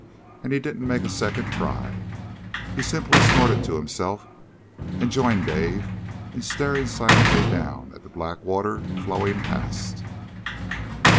And he didn't make a second try. He simply snorted to himself and joined Dave in staring silently down at the black water flowing past.